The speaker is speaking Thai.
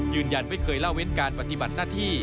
ยืนยันไม่เคยเล่าเว้นการปฏิบัติหน้าที่